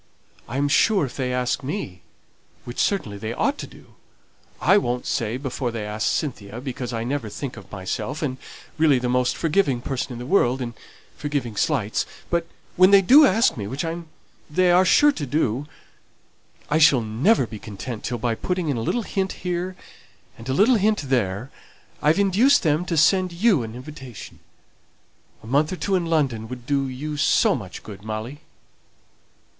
I am sure if they ask me which certainly they ought to do I won't say before they asked Cynthia, because I never think of myself, and am really the most forgiving person in the world, in forgiving slights; but when they do ask me, which they are sure to do, I shall never be content till, by putting in a little hint here and a little hint there, I've induced them to send you an invitation. A month or two in London would do you so much good, Molly."